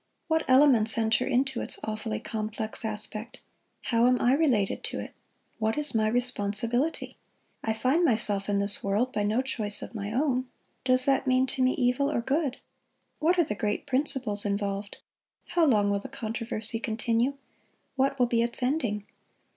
What elements enter into its awfully complex aspect? How am I related to it? What is my responsibility? I find myself in this world by no choice of my own. Does that mean to me evil or good? What are the great principles involved? How long will the controversy continue? What will be its ending?